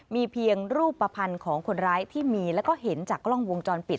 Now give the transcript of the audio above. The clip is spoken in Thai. มีเพียงรูปภัณฑ์ของคนร้ายที่มีแล้วก็เห็นจากกล้องวงจรปิด